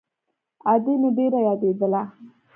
ادې مې ډېره يادېدله.